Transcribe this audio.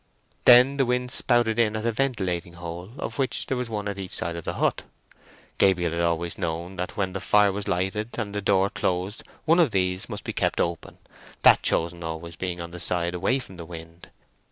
Then the wind spouted in at a ventilating hole—of which there was one on each side of the hut. Gabriel had always known that when the fire was lighted and the door closed one of these must be kept open—that chosen being always on the side away from the wind.